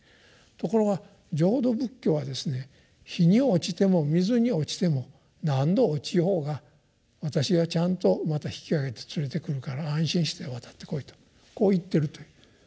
ところが浄土仏教はですね火に落ちても水に落ちても何度落ちようが私がちゃんとまた引き上げて連れてくるから安心して渡ってこいとこう言っているという。